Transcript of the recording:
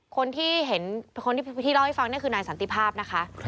คนที่เล่าให้ฟังนี่คือนายสันติภาพนะคะ